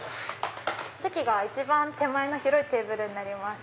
席が一番手前の広いテーブルになります。